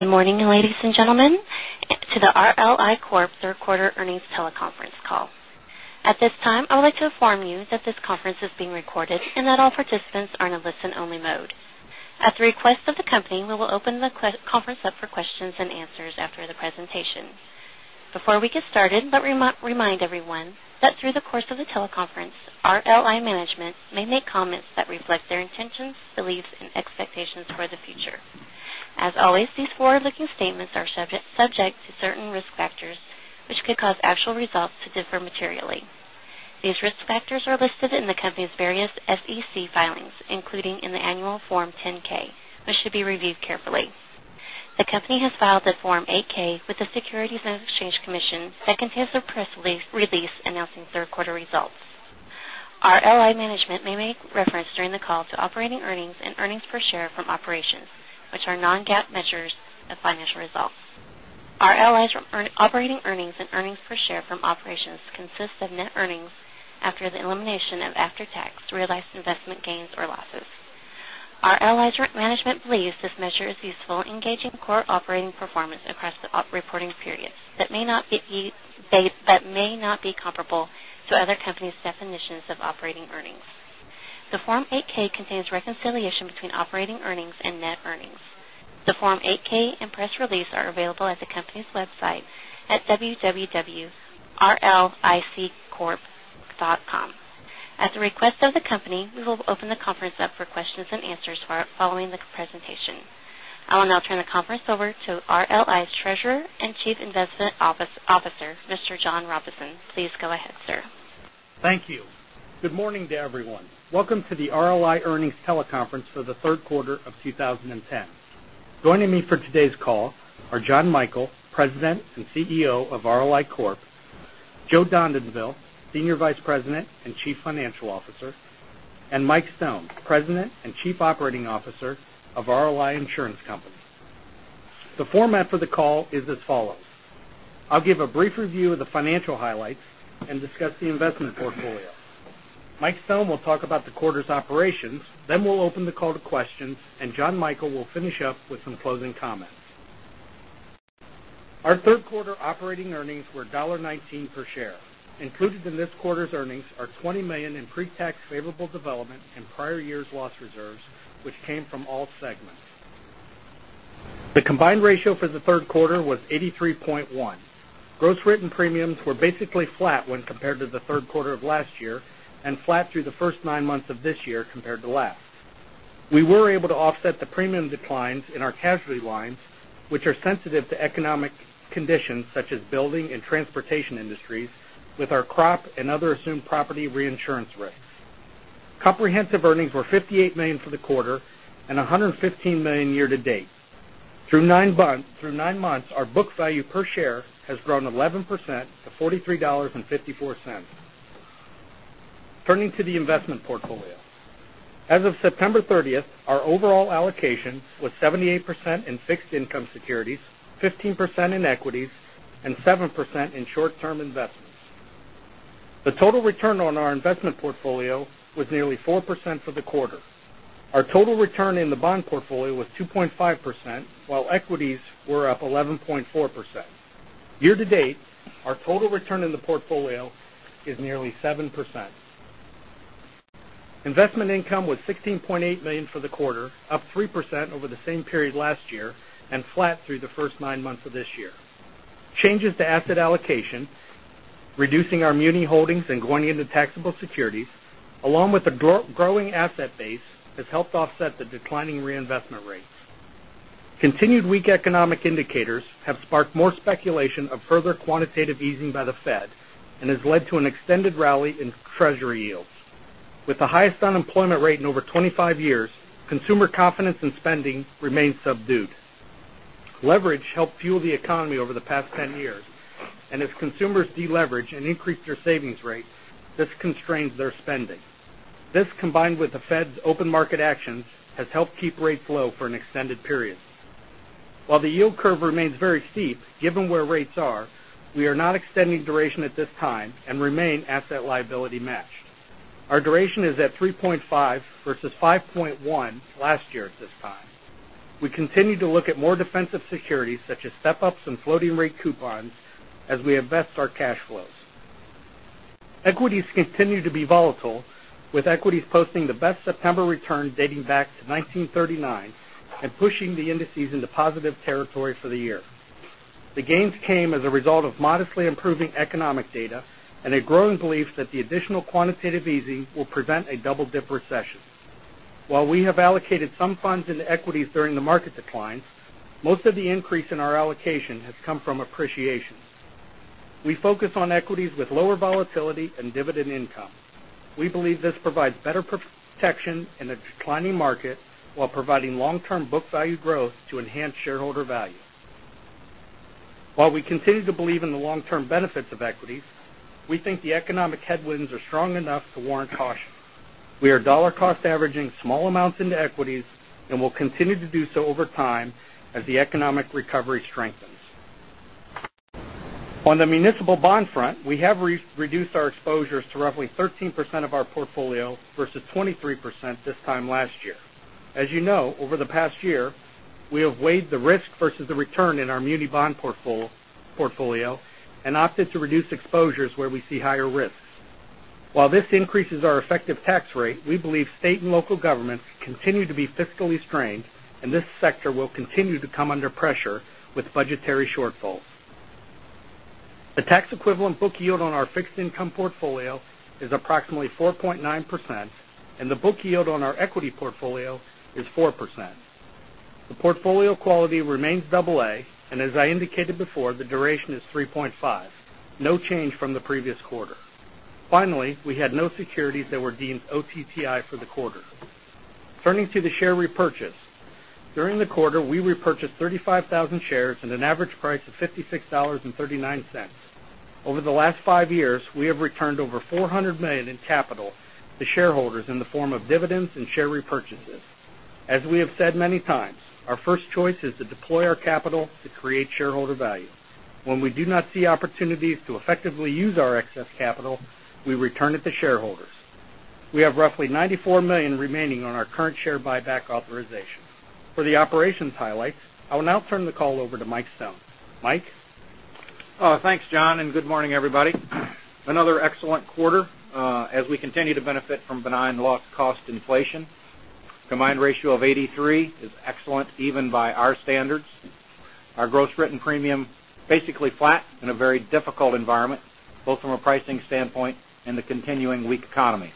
Good morning, ladies and gentlemen to the RLI Corp. third quarter earnings teleconference call. At this time, I would like to inform you that this conference is being recorded and that all participants are in a listen-only mode. At the request of the company, we will open the conference up for questions and answers after the presentation. Before we get started, let me remind everyone that through the course of the teleconference, RLI management may make comments that reflect their intentions, beliefs, and expectations for the future. As always, these forward-looking statements are subject to certain risk factors, which could cause actual results to differ materially. These risk factors are listed in the company's various SEC filings, including in the annual Form 10-K, which should be reviewed carefully. The company has filed the Form 8-K with the Securities and Exchange Commission that contains a press release announcing third quarter results. RLI management may make reference during the call to operating earnings and earnings per share from operations, which are non-GAAP measures of financial results. RLI's operating earnings and earnings per share from operations consist of net earnings after the elimination of after-tax realized investment gains or losses. RLI management believes this measure is useful in gauging core operating performance across the reporting periods that may not be comparable to other companies' definitions of operating earnings. The Form 8-K contains reconciliation between operating earnings and net earnings. The Form 8-K and press release are available at the company's website at www.rlicorp.com. At the request of the company, we will open the conference up for questions and answers following the presentation. I will now turn the conference over to RLI's Treasurer and Chief Investment Officer, Mr. John Robertson. Please go ahead, sir. Thank you. Good morning to everyone. Welcome to the RLI earnings teleconference for the third quarter of 2010. Joining me for today's call are Jonathan Michael, President and CEO of RLI Corp.; Joseph Dondanville, Senior Vice President and Chief Financial Officer; and Mike Stone, President and Chief Operating Officer of RLI Insurance Company. The format for the call is as follows: I'll give a brief review of the financial highlights and discuss the investment portfolio. Mike Stone will talk about the quarter's operations, then we'll open the call to questions, and Jonathan Michael will finish up with some closing comments. Our third quarter operating earnings were $1.19 per share. Included in this quarter's earnings are $20 million in pre-tax favorable development and prior year's loss reserves, which came from all segments. The combined ratio for the third quarter was 83.1. Gross written premiums were basically flat when compared to the third quarter of last year and flat through the first nine months of this year compared to last. We were able to offset the premium declines in our casualty lines, which are sensitive to economic conditions such as building and transportation industries, with our crop and other assumed property reinsurance risks. Comprehensive earnings were $58 million for the quarter and $115 million year to date. Through nine months, our book value per share has grown 11% to $43.54. Turning to the investment portfolio. As of September 30th, our overall allocation was 78% in fixed income securities, 15% in equities, and 7% in short-term investments. The total return on our investment portfolio was nearly 4% for the quarter. Our total return in the bond portfolio was 2.5%, while equities were up 11.4%. Year to date, our total return in the portfolio is nearly 7%. Investment income was $16.8 million for the quarter, up 3% over the same period last year and flat through the first nine months of this year. Changes to asset allocation, reducing our muni holdings and going into taxable securities, along with a growing asset base, has helped offset the declining reinvestment rates. Continued weak economic indicators have sparked more speculation of further quantitative easing by the Fed and has led to an extended rally in Treasury yields. With the highest unemployment rate in over 25 years, consumer confidence and spending remain subdued. Leverage helped fuel the economy over the past 10 years, and as consumers de-leverage and increase their savings rates, this constrains their spending. This, combined with the Fed's open market actions, has helped keep rates low for an extended period. While the yield curve remains very steep, given where rates are, we are not extending duration at this time and remain asset liability matched. Our duration is at 3.5 versus 5.1 last year at this time. We continue to look at more defensive securities, such as step ups and floating rate coupons, as we invest our cash flows. Equities continue to be volatile, with equities posting the best September return dating back to 1939 and pushing the indices into positive territory for the year. The gains came as a result of modestly improving economic data and a growing belief that the additional quantitative easing will prevent a double-dip recession. While we have allocated some funds into equities during the market decline, most of the increase in our allocation has come from appreciation. We focus on equities with lower volatility and dividend income. We believe this provides better protection in a declining market while providing long-term book value growth to enhance shareholder value. While we continue to believe in the long-term benefits of equities, we think the economic headwinds are strong enough to warrant caution. We are dollar cost averaging small amounts into equities and will continue to do so over time as the economic recovery strengthens. On the municipal bond front, we have reduced our exposures to roughly 13% of our portfolio versus 23% this time last year. As you know, over the past year, we have weighed the risk versus the return in our muni bond portfolio and opted to reduce exposures where we see higher risks. While this increases our effective tax rate, we believe state and local governments continue to be fiscally strained, and this sector will continue to come under pressure with budgetary shortfalls. The tax equivalent book yield on our fixed income portfolio is approximately 4.9%, and the book yield on our equity portfolio is 4%. The portfolio quality remains double A, and as I indicated before, the duration is 3.5, no change from the previous quarter. Finally, we had no securities that were deemed OTTI for the quarter. Turning to the share repurchase. During the quarter, we repurchased 35,000 shares at an average price of $56.39. Over the last five years, we have returned over $400 million in capital to shareholders in the form of dividends and share repurchases. As we have said many times, our first choice is to deploy our capital to create shareholder value. When we do not see opportunities to effectively use our excess capital, we return it to shareholders. We have roughly $94 million remaining on our current share buyback authorization. For the operations highlights, I will now turn the call over to Mike Stone. Mike? Thanks, John, and good morning, everybody. Another excellent quarter as we continue to benefit from benign loss cost inflation. combined ratio of 83 is excellent even by our standards. Our gross written premium, basically flat in a very difficult environment, both from a pricing standpoint and the continuing weak economy.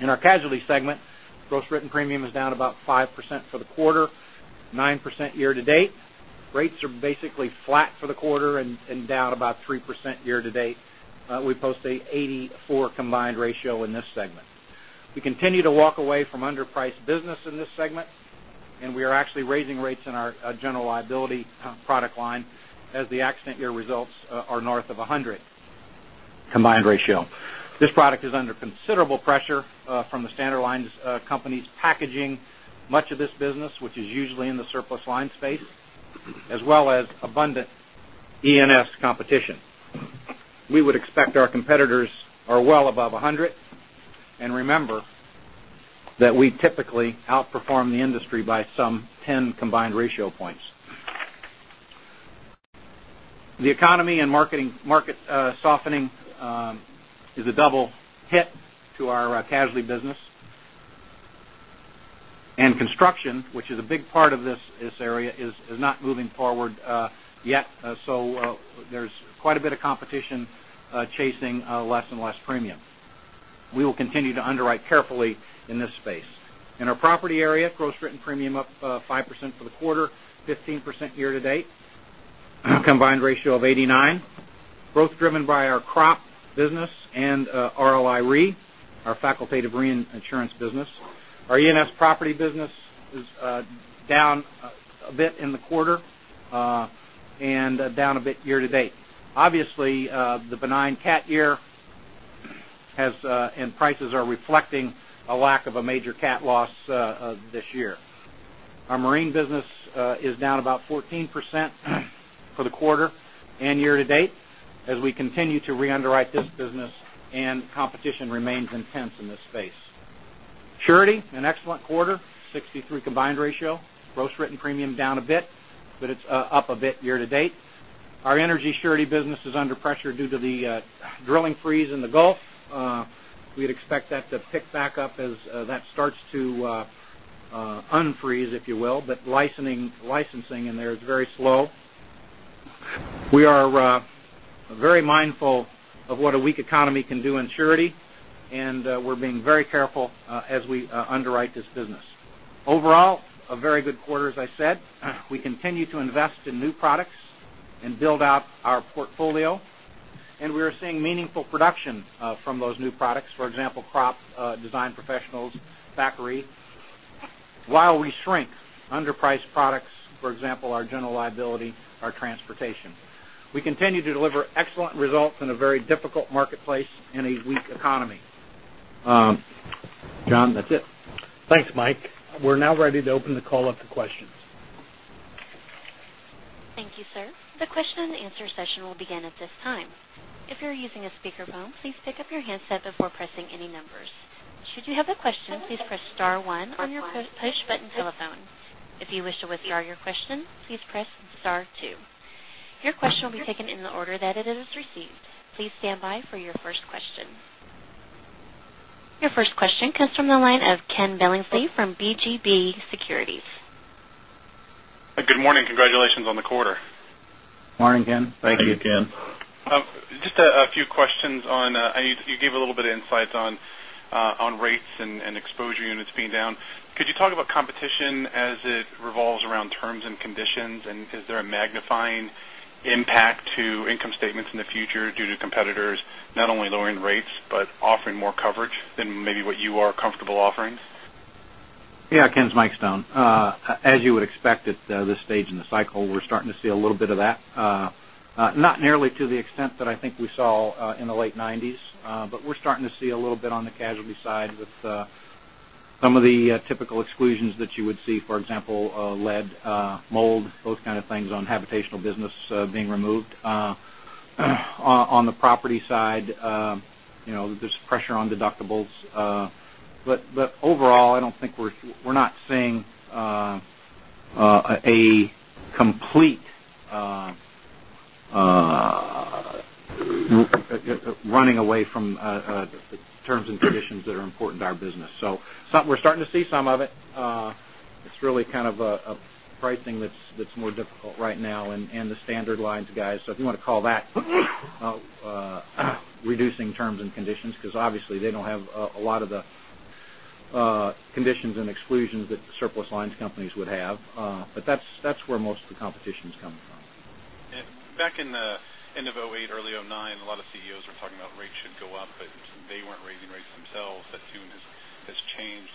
In our casualty segment, gross written premium is down about 5% for the quarter, 9% year-to-date. Rates are basically flat for the quarter and down about 3% year-to-date. We post a 84 combined ratio in this segment. We continue to walk away from underpriced business in this segment, and we are actually raising rates in our general liability product line as the accident year results are north of 100 combined ratio. This product is under considerable pressure from the standard lines companies packaging much of this business, which is usually in the surplus line space, as well as abundant E&S competition. We would expect our competitors are well above 100. Remember that we typically outperform the industry by some 10 combined ratio points. The economy and market softening is a double hit to our casualty business. Construction, which is a big part of this area, is not moving forward yet, so there is quite a bit of competition chasing less and less premium. We will continue to underwrite carefully in this space. In our property area, gross written premium up 5% for the quarter, 15% year-to-date. combined ratio of 89, growth driven by our crop business and RLI Re, our facultative reinsurance business. Our E&S property business is down a bit in the quarter and down a bit year-to-date. Obviously, the benign cat year and prices are reflecting a lack of a major cat loss this year. Our marine business is down about 14% for the quarter and year-to-date as we continue to re-underwrite this business and competition remains intense in this space. Surety, an excellent quarter, 63 combined ratio. Gross written premium down a bit, but it's up a bit year-to-date. Our energy surety business is under pressure due to the drilling freeze in the Gulf. We'd expect that to pick back up as that starts to unfreeze, if you will, but licensing in there is very slow. We are very mindful of what a weak economy can do in surety, and we're being very careful as we underwrite this business. Overall, a very good quarter, as I said. We continue to invest in new products and build out our portfolio. We are seeing meaningful production from those new products, for example, crop, Design Professionals, factory. While we shrink underpriced products, for example, our general liability, our transportation, we continue to deliver excellent results in a very difficult marketplace in a weak economy. John, that's it. Thanks, Mike. We're now ready to open the call up to questions. Thank you, sir. The question and answer session will begin at this time. If you're using a speakerphone, please pick up your handset before pressing any numbers. Should you have a question, please press star one on your push button telephone. If you wish to withdraw your question, please press star two. Your question will be taken in the order that it is received. Please stand by for your first question. Your first question comes from the line of Ken Billingsley from BGB Securities. Good morning. Congratulations on the quarter. Morning, Ken. Thank you. Thank you, Ken. Just a few questions. You gave a little bit of insights on rates and exposure units being down. Could you talk about competition as it revolves around terms and conditions? Is there a magnifying impact to income statements in the future due to competitors not only lowering rates, but offering more coverage than maybe what you are comfortable offering? Yeah, Ken, it's Mike Stone. As you would expect at this stage in the cycle, we're starting to see a little bit of that. Not nearly to the extent that I think we saw in the late 1990s, but we're starting to see a little bit on the casualty side with some of the typical exclusions that you would see, for example, lead, mold, those kind of things on habitational business being removed. On the property side, there's pressure on deductibles. Overall, we're not seeing a complete running away from terms and conditions that are important to our business. We're starting to see some of it. It's really kind of a pricing that's more difficult right now in the standard lines, guys. If you want to call that reducing terms and conditions, because obviously they don't have a lot of the conditions and exclusions that surplus lines companies would have. That's where most of the competition is coming from. Back in the end of 2008, early 2009, a lot of CEOs were talking about rates should go up, but they weren't raising rates themselves. That tune has changed.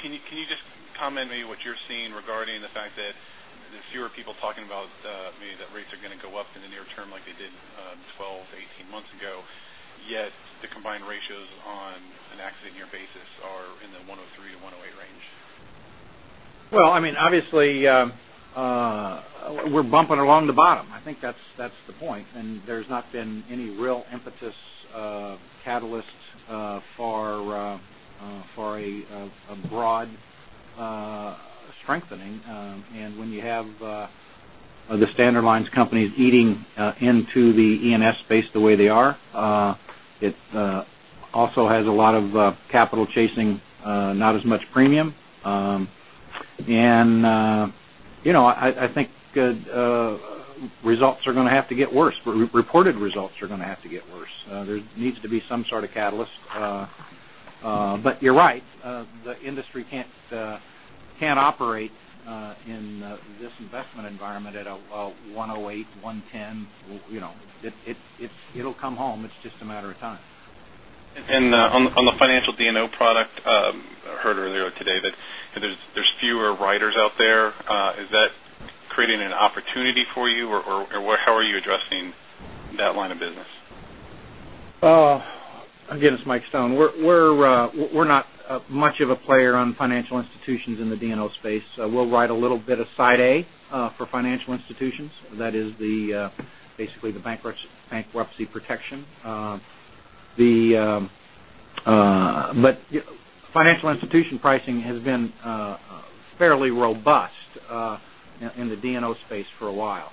Can you just comment maybe what you're seeing regarding the fact that there's fewer people talking about maybe that rates are going to go up in the near term like they did 12 to 18 months ago, yet the combined ratios on an accident year basis are in the 103-108 range? Well, obviously, we're bumping along the bottom. I think that's the point. There's not been any real impetus of catalysts for a broad strengthening. When you have the standard lines companies eating into the E&S space the way they are, it also has a lot of capital chasing not as much premium. I think results are going to have to get worse. Reported results are going to have to get worse. There needs to be some sort of catalyst. You're right. The industry can't operate in this investment environment at a 108, 110. It'll come home. It's just a matter of time. On the financial D&O product, I heard earlier today that there's fewer writers out there. Is that creating an opportunity for you, or how are you addressing that line of business? It's Mike Stone. We're not much of a player on financial institutions in the D&O space. We'll write a little bit of Side A for financial institutions. That is basically the bankruptcy protection. Financial institution pricing has been fairly robust in the D&O space for a while.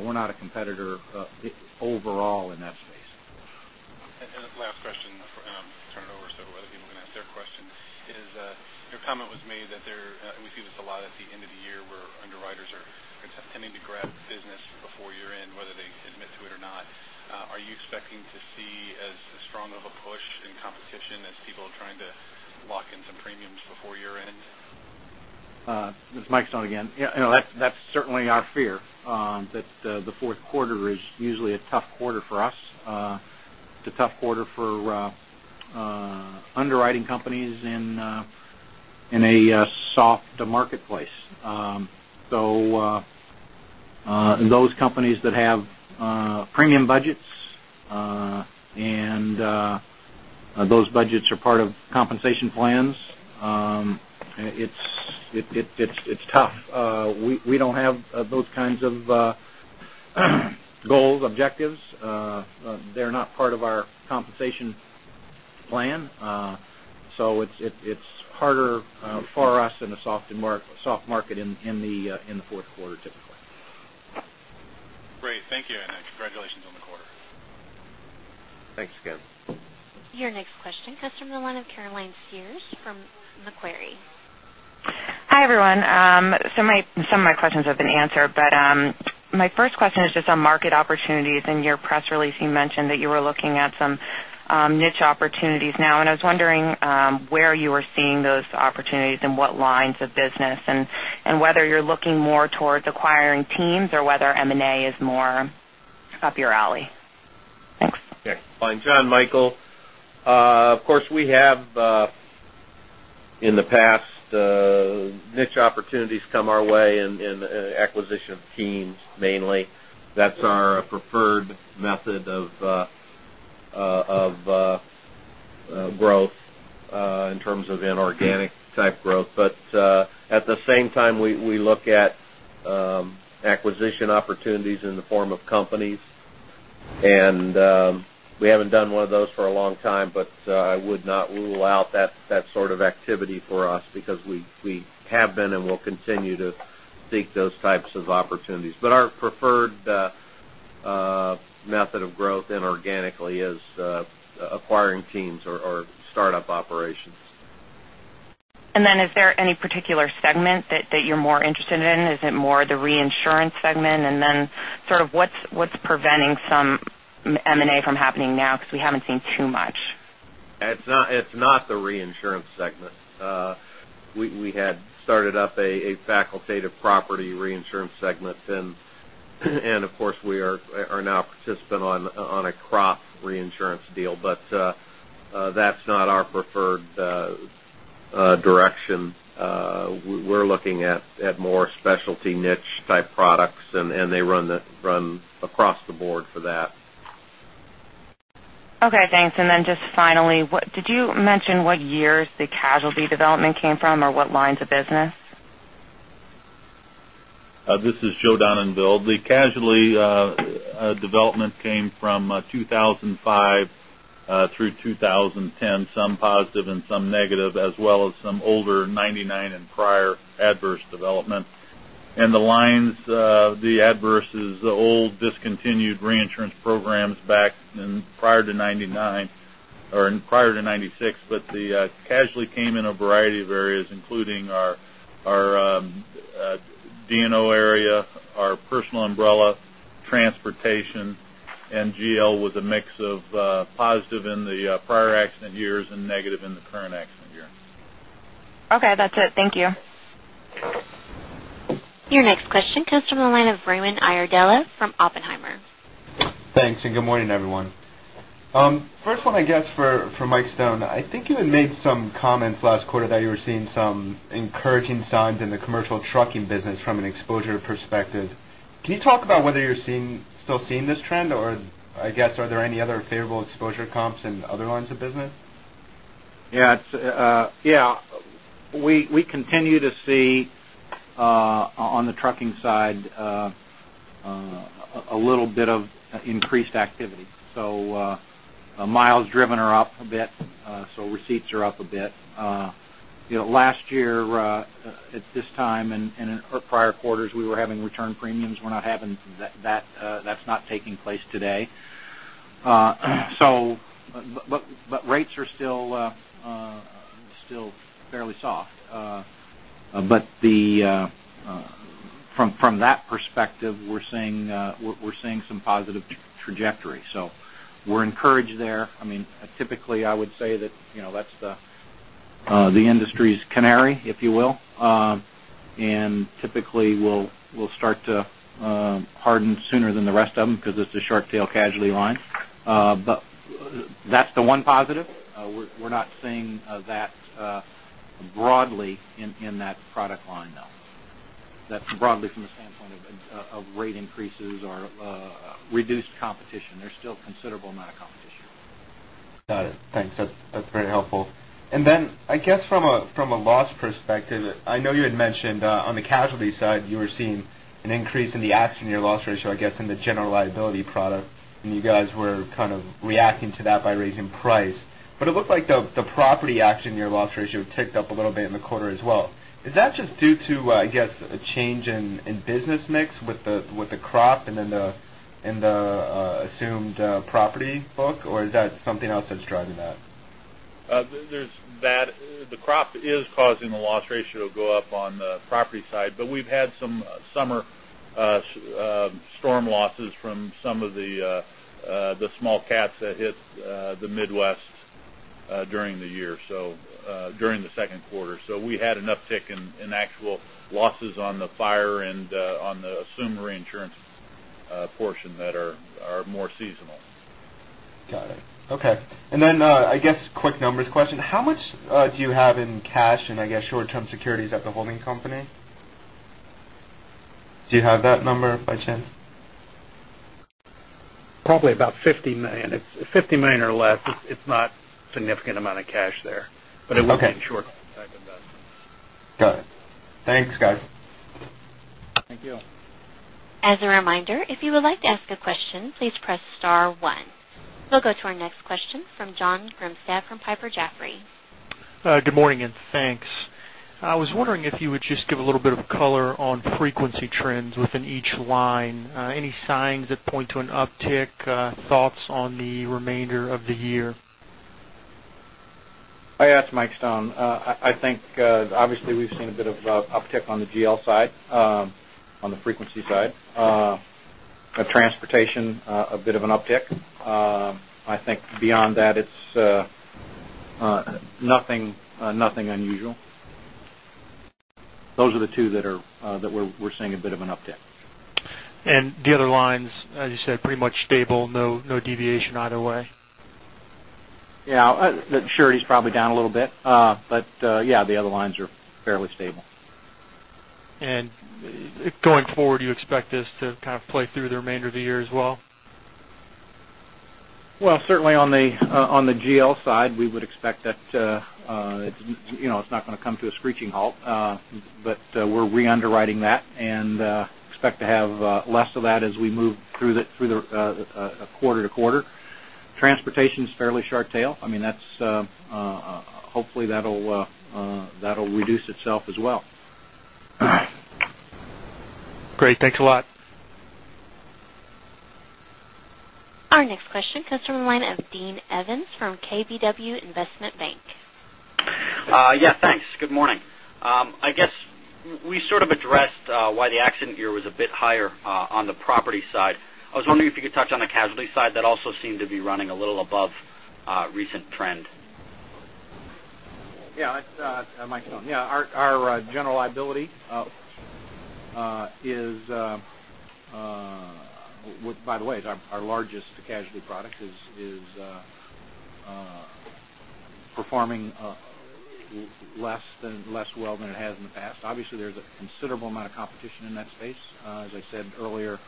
We're not a competitor overall in that space. Last question, then I'll turn it over so other people can ask their question, is your comment was made that there, we see this a lot at the end of the year, where underwriters are attempting to grab business before year-end, whether they admit to it or not. Are you expecting to see as strong of a push in competition as people are trying to lock in some premiums before year-end? This is Mike Stone again. That's certainly our fear, that the fourth quarter is usually a tough quarter for us. It's a tough quarter for underwriting companies in a soft marketplace. In those companies that have premium budgets, those budgets are part of compensation plans, it's tough. We don't have those kinds of goals, objectives. They're not part of our compensation plan. It's harder for us in a soft market in the fourth quarter, typically. Great. Thank you, congratulations on the quarter. Thanks, Ken. Your next question comes from the line of Caroline Sears from Macquarie. Hi, everyone. Some of my questions have been answered, my first question is just on market opportunities. In your press release, you mentioned that you were looking at some niche opportunities now, I was wondering where you are seeing those opportunities, what lines of business, whether you're looking more towards acquiring teams or whether M&A is more up your alley? Thanks. Okay. Jonathan Michael. Of course, we have, in the past, niche opportunities come our way in acquisition of teams, mainly. That's our preferred method of growth in terms of inorganic-type growth. At the same time, we look at acquisition opportunities in the form of companies. We haven't done one of those for a long time, I would not rule out that sort of activity for us because we have been and will continue to seek those types of opportunities. Our preferred method of growth inorganically is acquiring teams or startup operations. Is there any particular segment that you're more interested in? Is it more the reinsurance segment? Sort of what's preventing some M&A from happening now? Because we haven't seen too much. It's not the reinsurance segment. We had started up a facultative property reinsurance segment, and of course, we are now a participant on a crop reinsurance deal. That's not our preferred Direction. We're looking at more specialty niche-type products, and they run across the board for that. Okay, thanks. Just finally, did you mention what years the casualty development came from or what lines of business? This is Joe Dondanville. The casualty development came from 2005 through 2010, some positive and some negative, as well as some older 1999 and prior adverse development. The lines, the adverse is the old discontinued reinsurance programs back prior to 1999 or prior to 1996. The casualty came in a variety of areas, including our D&O area, our personal umbrella, transportation, and GL with a mix of positive in the prior accident years and negative in the current accident years. Okay, that's it. Thank you. Your next question comes from the line of Raymond Iardella from Oppenheimer. Thanks, good morning, everyone. First one, I guess for Mike Stone. I think you had made some comments last quarter that you were seeing some encouraging signs in the commercial trucking business from an exposure perspective. Can you talk about whether you're still seeing this trend, or I guess, are there any other favorable exposure comps in other lines of business? Yeah. We continue to see on the trucking side a little bit of increased activity. Miles driven are up a bit, so receipts are up a bit. Last year at this time and in our prior quarters, we were having return premiums. We're not having that. That's not taking place today. Rates are still fairly soft. From that perspective, we're seeing some positive trajectory. We're encouraged there. Typically, I would say that's the industry's canary, if you will. Typically, we'll start to harden sooner than the rest of them because it's a short tail casualty line. That's the one positive. We're not seeing that broadly in that product line, though. That's broadly from the standpoint of rate increases or reduced competition. There's still a considerable amount of competition. Got it. Thanks. That's very helpful. I guess from a loss perspective, I know you had mentioned on the casualty side, you were seeing an increase in the accident year loss ratio, I guess, in the general liability product, and you guys were kind of reacting to that by raising price. It looked like the property accident year loss ratio ticked up a little bit in the quarter as well. Is that just due to, I guess, a change in business mix with the crop and in the assumed property book, or is that something else that's driving that? There's that. The crop is causing the loss ratio to go up on the property side. We've had some summer storm losses from some of the small cats that hit the Midwest during the year, during the second quarter. We had an uptick in actual losses on the fire and on the assumed reinsurance portion that are more seasonal. Got it. Okay. I guess quick numbers question. How much do you have in cash and I guess short-term securities at the holding company? Do you have that number by chance? Probably about $50 million. It's $50 million or less. It's not a significant amount of cash there, but it would be in short-term type investments. Got it. Thanks, guys. Thank you. As a reminder, if you would like to ask a question, please press star one. We'll go to our next question from John Grimstad from Piper Jaffray. Good morning, and thanks. I was wondering if you would just give a little bit of color on frequency trends within each line. Any signs that point to an uptick? Thoughts on the remainder of the year? This is Mike Stone. I think obviously we've seen a bit of uptick on the GL side, on the frequency side. Transportation, a bit of an uptick. I think beyond that, it's nothing unusual. Those are the two that we're seeing a bit of an uptick. The other lines, as you said, pretty much stable, no deviation either way? Yeah. Surety is probably down a little bit. Yeah, the other lines are fairly stable. Going forward, you expect this to kind of play through the remainder of the year as well? Well, certainly on the GL side, we would expect that it's not going to come to a screeching halt. We're re-underwriting that and expect to have less of that as we move through the quarter to quarter. Transportation is fairly short tail. Hopefully, that'll reduce itself as well. Great. Thanks a lot. Our next question comes from the line of Dean Evans from KBW Investment Bank. Yes. Thanks. Good morning. I guess we sort of addressed why the accident year was a bit higher on the property side. I was wondering if you could touch on the casualty side. That also seemed to be running a little above recent trend. Yeah. Mike Stone. Yeah. Our general liability By the way, our largest casualty product is performing less well than it has in the past. Obviously, there's a considerable amount of competition in that space. As I said earlier,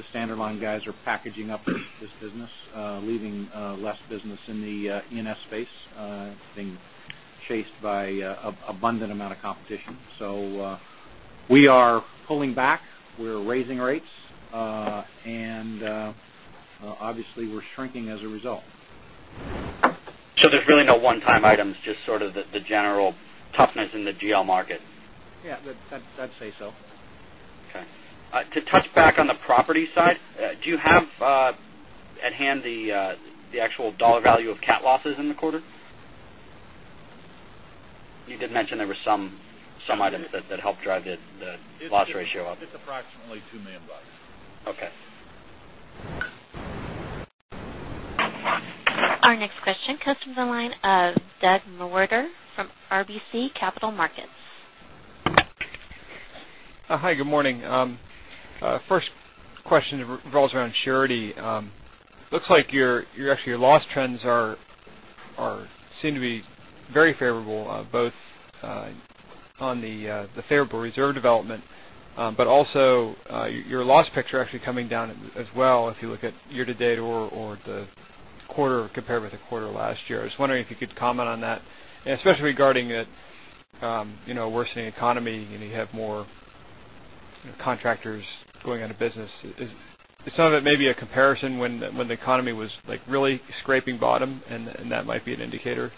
the standard line guys are packaging up this business, leaving less business in the E&S space, being chased by abundant amount of competition. We are pulling back, we're raising rates, and obviously, we're shrinking as a result. There's really no one-time items, just sort of the general toughness in the GL market. I'd say so. To touch back on the property side, do you have at hand the actual dollar value of cat losses in the quarter? You did mention there were some items that helped drive the loss ratio up. It's approximately $2 million. Okay. Our next question comes from the line of Doug Morter from RBC Capital Markets. Hi, good morning. First question revolves around surety. Looks like your loss trends seem to be very favorable, both on the favorable reserve development, but also your loss picks are actually coming down as well, if you look at year-to-date or the quarter compared with the quarter last year. I was wondering if you could comment on that, and especially regarding a worsening economy, and you have more contractors going out of business. Is some of it maybe a comparison when the economy was really scraping bottom, and that might be an indicator?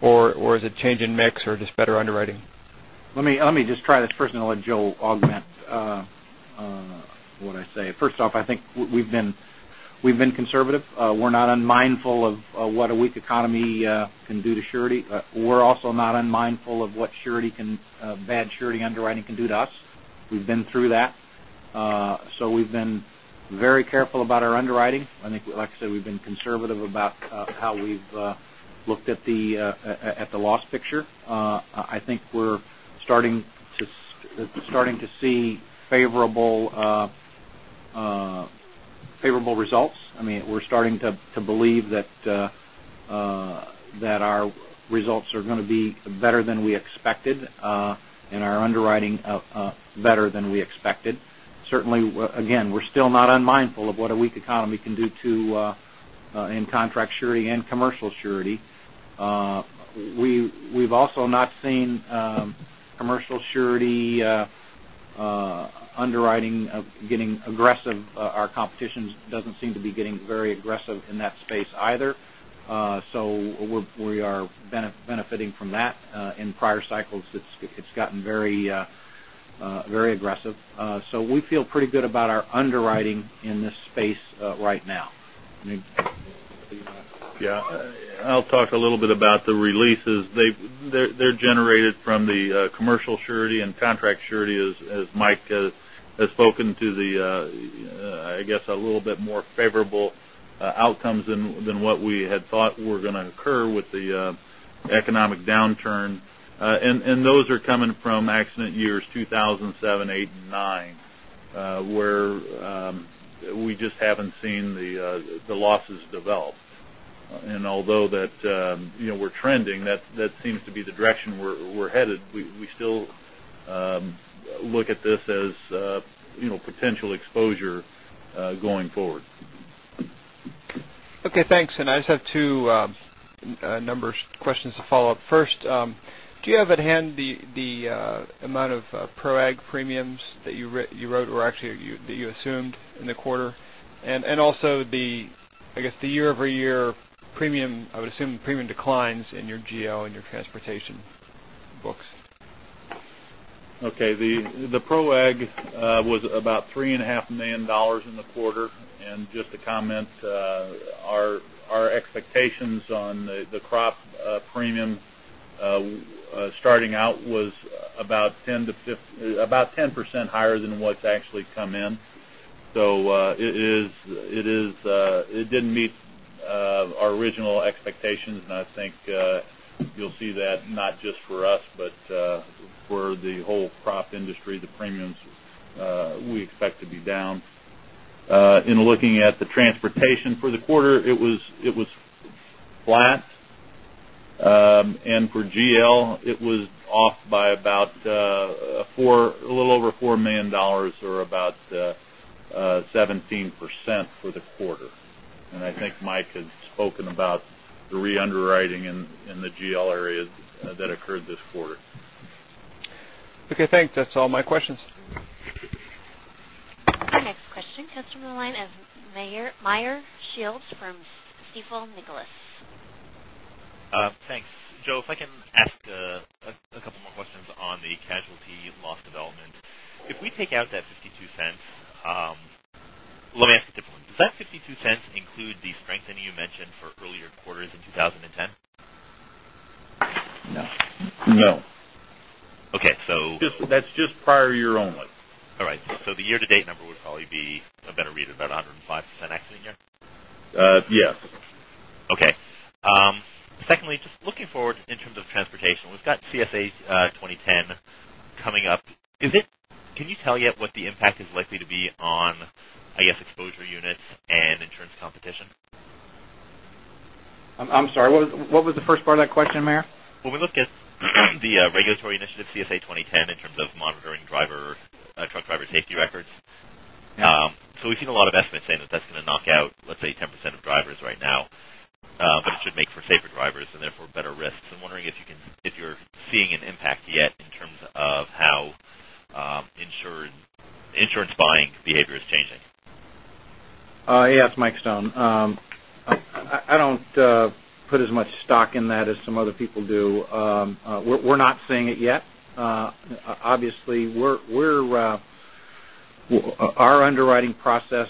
Or is it change in mix or just better underwriting? Let me just try this first, and I'll let Joe augment what I say. First off, I think we've been conservative. We're not unmindful of what a weak economy can do to surety. We're also not unmindful of what bad surety underwriting can do to us. We've been through that. We've been very careful about our underwriting. I think, like I said, we've been conservative about how we've looked at the loss picture. I think we're starting to see favorable results. We're starting to believe that our results are going to be better than we expected, and our underwriting better than we expected. Certainly, again, we're still not unmindful of what a weak economy can do in contract surety and commercial surety. We've also not seen commercial surety underwriting getting aggressive. Our competition doesn't seem to be getting very aggressive in that space either. We are benefiting from that. In prior cycles, it's gotten very aggressive. We feel pretty good about our underwriting in this space right now. Yeah. I'll talk a little bit about the releases. They're generated from the commercial surety and contract surety as Mike has spoken to the, I guess, a little bit more favorable outcomes than what we had thought were going to occur with the economic downturn. Those are coming from accident years 2007, '8, and '9, where we just haven't seen the losses develop. Although we're trending, that seems to be the direction we're headed. We still look at this as potential exposure going forward. Okay, thanks. I just have two numbers, questions to follow up. First, do you have at hand the amount of ProAg premiums that you wrote or actually that you assumed in the quarter? Also the, I guess, the year-over-year premium, I would assume premium declines in your GL and your transportation books. Okay. The ProAg was about $3.5 million in the quarter. Just to comment, our expectations on the crop premium starting out was about 10% higher than what's actually come in. It didn't meet our original expectations, and I think you'll see that not just for us, but for the whole crop industry, the premiums we expect to be down. In looking at the transportation for the quarter, it was flat. For GL, it was off by about a little over $4 million or about 17% for the quarter. I think Mike had spoken about the re-underwriting in the GL areas that occurred this quarter. Okay, thanks. That's all my questions. Our next question comes from the line of Meyer Shields from Stifel Nicolaus. Thanks. Joe, if I can ask a couple more questions on the casualty loss development. If we take out that $0.52, let me ask it differently. Does that $0.52 include the strengthening you mentioned for earlier quarters in 2010? No. No. Okay. That's just prior year only. All right. The year-to-date number would probably be a better read of about 105% accident year? Yes. Okay. Secondly, just looking forward in terms of transportation, we've got CSA 2010 coming up. Can you tell yet what the impact is likely to be on, I guess, exposure units and insurance competition? I'm sorry, what was the first part of that question, Meyer? When we look at the regulatory initiative, CSA 2010, in terms of monitoring truck driver safety records. Yeah. We've seen a lot of estimates saying that that's going to knock out, let's say, 10% of drivers right now, but it should make for safer drivers and therefore better risks. I'm wondering if you're seeing an impact yet in terms of how insurance buying behavior is changing. Yes, Mike Stone. I don't put as much stock in that as some other people do. We're not seeing it yet. Obviously, our underwriting process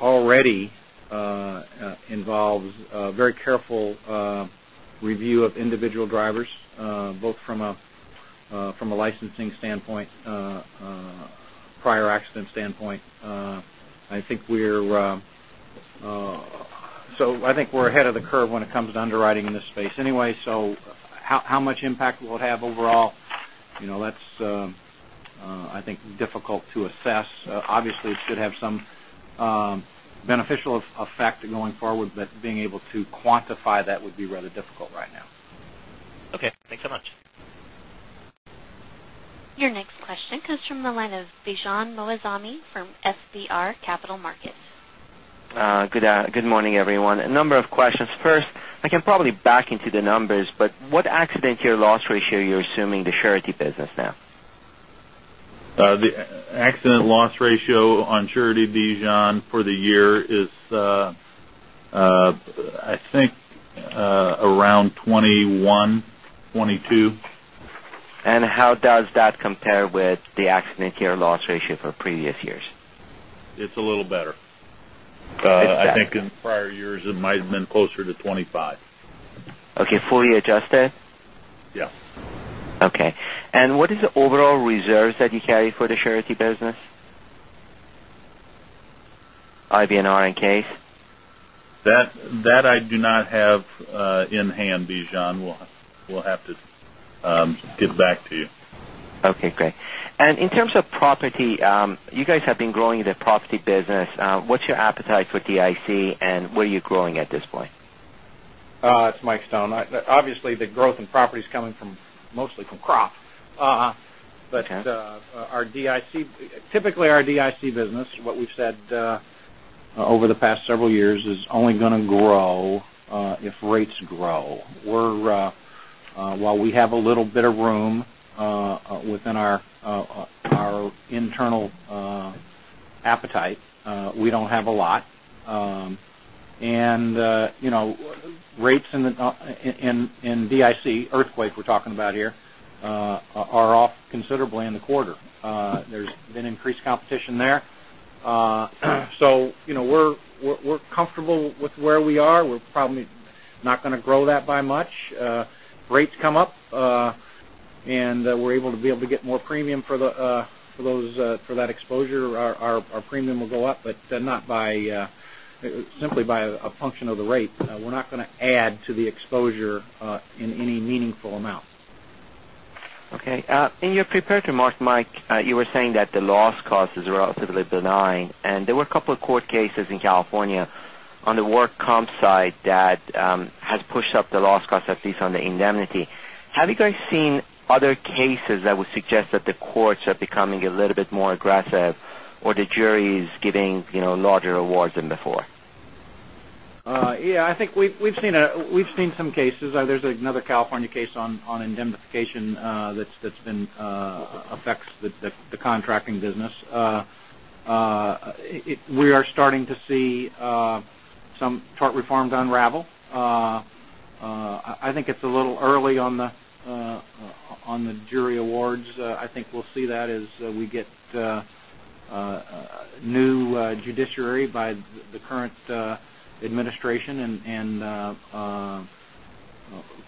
already involves a very careful review of individual drivers, both from a licensing standpoint, prior accident standpoint. I think we're ahead of the curve when it comes to underwriting in this space anyway, so how much impact it will have overall, that's, I think, difficult to assess. Obviously, it should have some beneficial effect going forward, but being able to quantify that would be rather difficult right now. Okay, thanks so much. Your next question comes from the line of Bijan Moazami from FBR Capital Markets. Good morning, everyone. A number of questions. First, I can probably back into the numbers, but what accident year loss ratio you're assuming the surety business now? The accident loss ratio on surety, Bijan, for the year is, I think, around 21, 22. How does that compare with the accident year loss ratio for previous years? It's a little better. It's better. I think in prior years, it might have been closer to 25. Okay, fully adjusted? Yes. What is the overall reserves that you carry for the surety business? IBNR and case. That I do not have in-hand, Bijan. We'll have to get back to you. Okay, great. In terms of property, you guys have been growing the property business. What's your appetite for DIC, and where are you growing at this point? It's Mike Stone. Obviously, the growth in property is coming mostly from crop. Okay. Typically our DIC business, what we've said over the past several years, is only going to grow if rates grow. While we have a little bit of room within our internal appetite, we don't have a lot. Rates in DIC, earthquake we're talking about here, are off considerably in the quarter. There's been increased competition there. We're comfortable with where we are. We're probably not going to grow that by much. Rates come up, and we're able to be able to get more premium for that exposure, our premium will go up, but simply by a function of the rate. We're not going to add to the exposure in any meaningful amount. Okay. In your prepared remarks, Mike, you were saying that the loss cost is relatively benign, and there were a couple of court cases in California on the work comp side that has pushed up the loss cost, at least on the indemnity. Have you guys seen other cases that would suggest that the courts are becoming a little bit more aggressive, or the jury's giving larger awards than before? I think we've seen some cases. There's another California case on indemnification that affects the contracting business. We are starting to see some tort reforms unravel. I think it's a little early on the jury awards. I think we'll see that as we get new judiciary by the current administration and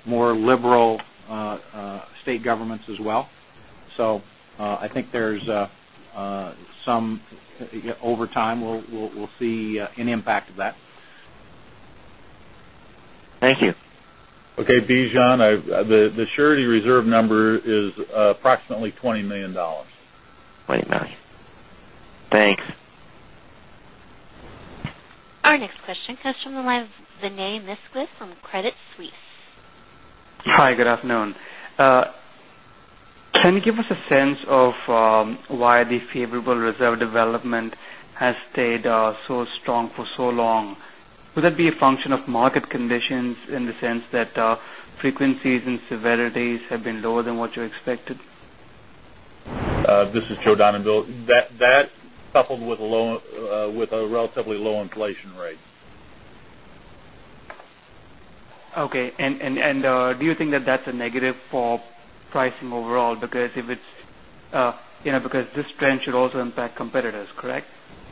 more liberal state governments as well. I think over time, we'll see an impact of that. Thank you. Okay, Bijan, the surety reserve number is approximately $20 million. $20 million. Thanks. Our next question comes from the line of Vinay Misquith from Credit Suisse. Hi, good afternoon. Can you give us a sense of why the favorable reserve development has stayed so strong for so long? Would that be a function of market conditions in the sense that frequencies and severities have been lower than what you expected? This is Joe Dondanville. That coupled with a relatively low inflation rate. Do you think that that's a negative for pricing overall? Because this trend should also impact competitors, correct?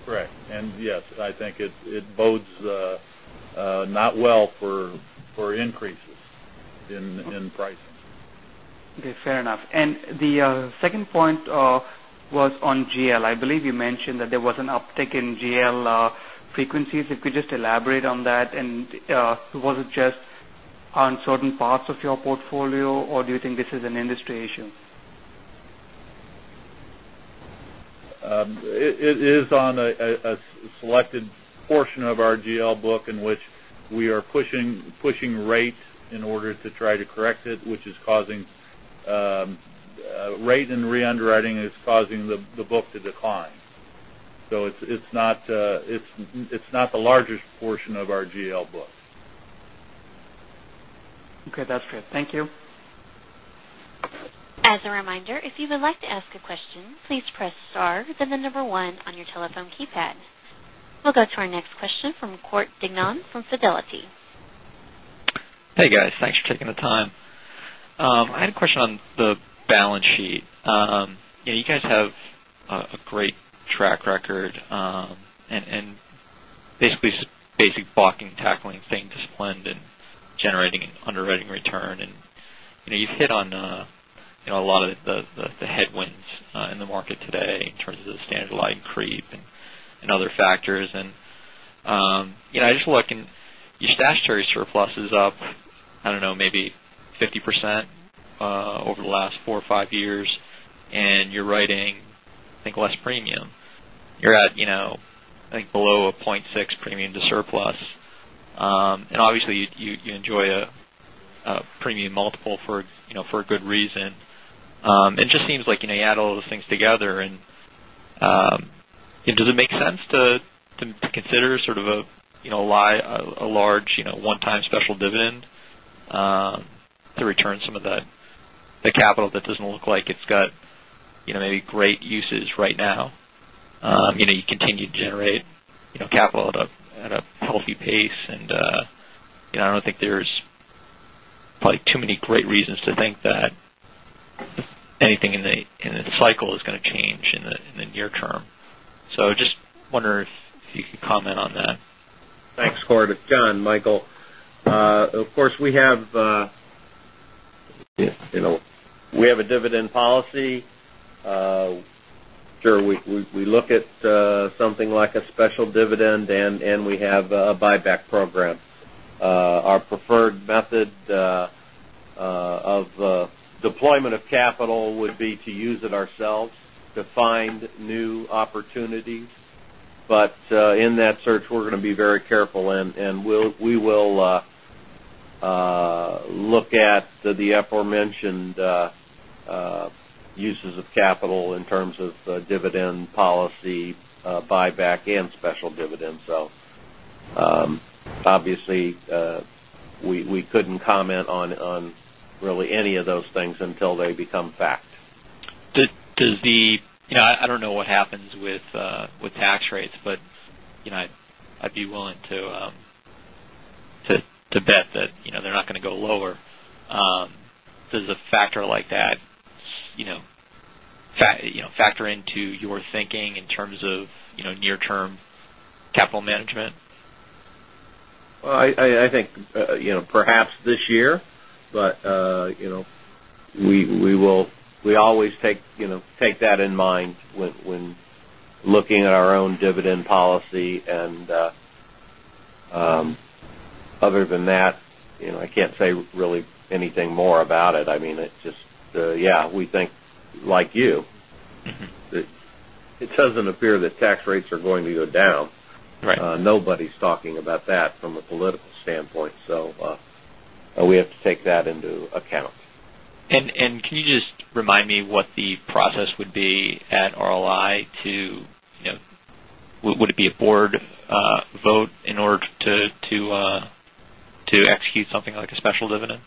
Correct. Yes, I think it bodes not well for increases in pricing. Okay, fair enough. The second point was on GL. I believe you mentioned that there was an uptick in GL frequencies. If you could just elaborate on that, and was it just on certain parts of your portfolio, or do you think this is an industry issue? It is on a selected portion of our GL book in which we are pushing rates in order to try to correct it, which rate and re-underwriting is causing the book to decline. It's not the largest portion of our GL book. Okay, that's great. Thank you. As a reminder, if you would like to ask a question, please press star, then the number one on your telephone keypad. We'll go to our next question from Court Dignan from Fidelity. Hey, guys. Thanks for taking the time. I had a question on the balance sheet. You guys have a great track record in basically basic blocking, tackling, staying disciplined, and generating an underwriting return. You've hit on a lot of the headwinds in the market today in terms of the standard line creep and other factors. I just look, and your statutory surplus is up, I don't know, maybe 50% over the last four or five years, and you're writing, I think, less premium. You're at, I think, below a 0.6 premium to surplus. Obviously, you enjoy a premium multiple for a good reason. It just seems like you add all those things together and does it make sense to consider sort of a large one-time special dividend to return some of the capital that doesn't look like it's got maybe great uses right now? You continue to generate capital at a healthy pace, and I don't think there's probably too many great reasons to think that anything in the cycle is going to change in the near term. Just wondering if you could comment on that. Thanks, Court. It's Jonathan Michael. Of course, we have a dividend policy. Sure, we look at something like a special dividend, and we have a buyback program. Our preferred method of deployment of capital would be to use it ourselves to find new opportunities. In that search, we're going to be very careful, and we will look at the aforementioned uses of capital in terms of dividend policy, buyback, and special dividends. Obviously, we couldn't comment on really any of those things until they become fact. I don't know what happens with tax rates, but I'd be willing to bet that they're not going to go lower. Does a factor like that factor into your thinking in terms of near-term capital management? I think perhaps this year, but we always take that in mind when looking at our own dividend policy. Other than that, I can't say really anything more about it. I mean, it's just, yeah, we think like you. It doesn't appear that tax rates are going to go down. Right. Nobody's talking about that from a political standpoint, so we have to take that into account. Can you just remind me what the process would be at RLI? Would it be a board vote in order to execute something like a special dividend?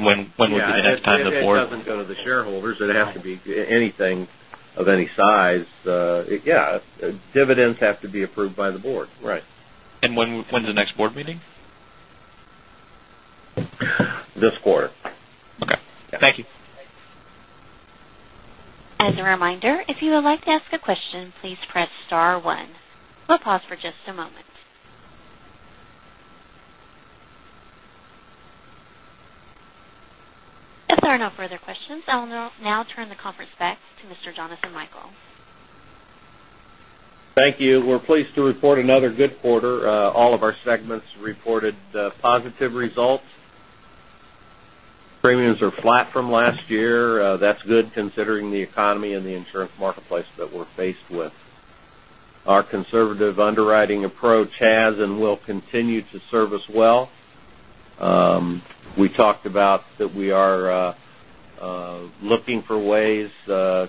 When would be the next time the board Yeah, if it doesn't go to the shareholders, it has to be anything of any size. Yeah. Dividends have to be approved by the board, right. When's the next board meeting? This quarter. Okay. Thank you. As a reminder, if you would like to ask a question, please press star one. We'll pause for just a moment. If there are no further questions, I will now turn the conference back to Mr. Jonathan Michael. Thank you. We're pleased to report another good quarter. All of our segments reported positive results. Premiums are flat from last year. That's good considering the economy and the insurance marketplace that we're faced with. Our conservative underwriting approach has and will continue to serve us well. We talked about that we are looking for ways to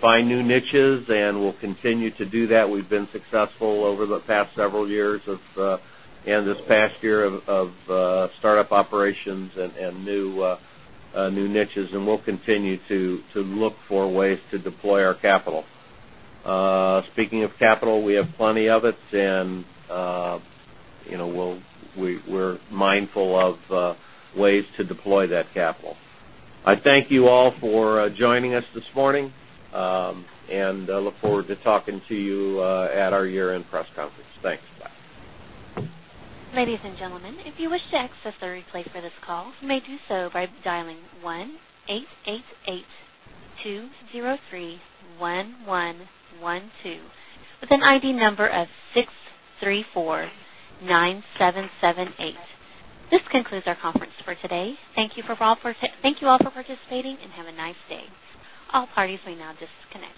find new niches, and we'll continue to do that. We've been successful over the past several years of, and this past year of startup operations and new niches, and we'll continue to look for ways to deploy our capital. Speaking of capital, we have plenty of it, and we're mindful of ways to deploy that capital. I thank you all for joining us this morning, and I look forward to talking to you at our year-end press conference. Thanks. Bye. Ladies and gentlemen, if you wish to access the replay for this call, you may do so by dialing 1-888-203-1112 with an ID number of 6349778. This concludes our conference for today. Thank you all for participating, and have a nice day. All parties may now disconnect.